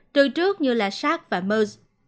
từ trước như là sars và mers